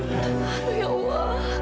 aduh ya allah